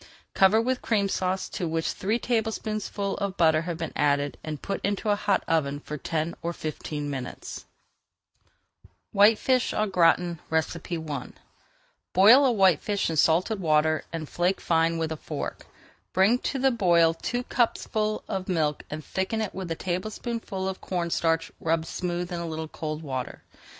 Cover with Cream Sauce to which three tablespoonfuls of butter have been added, and put into a hot oven for ten or fifteen minutes. [Page 446] WHITEFISH AU GRATIN I Boil a whitefish in salted water and flake fine with a fork. Bring to the boil two cupfuls of milk and thicken it with a tablespoonful of corn starch rubbed smooth in a little cold water.